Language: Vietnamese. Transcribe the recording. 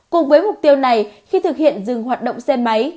cùng với mục tiêu này khi thực hiện dừng hoạt động xe máy